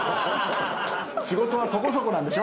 仕事はそこそこなんでしょ？